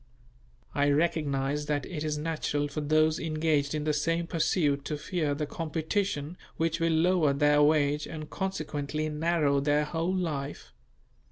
I recognize that it is natural for those engaged in the same pursuit to fear the competition which will lower their wage and consequently narrow their whole life.